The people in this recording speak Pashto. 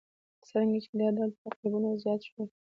څرنګه چې دا ډول تعقیبونه زیات شول.